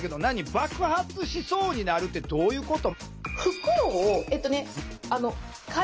爆発しそうになるってどういうこと？